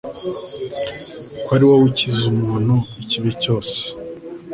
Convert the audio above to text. ko ari wowe ukiza umuntu ikibi cyose